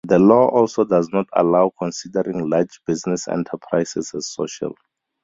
The law also does not allow considering large business enterprises as social.